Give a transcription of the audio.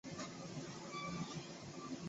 早年投资并经营奉锦天一垦务公司。